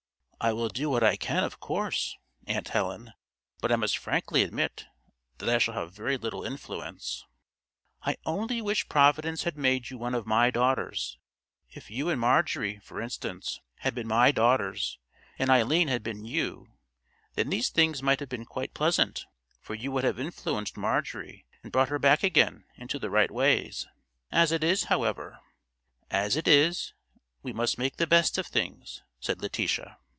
"I will do what I can, of course, Aunt Helen; but I must frankly admit that I shall have very little influence." "I only wish Providence had made you one of my daughters. If you and Marjorie, for instance, had been my daughters, and Eileen had been you, then things might have been quite pleasant, for you would have influenced Marjorie and brought her back again into the right ways. As it is, however——" "As it is, we must make the best of things," said Letitia.